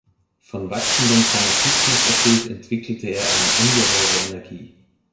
Von wachsendem Fanatismus erfüllt, entwickelte er eine ungeheure Energie.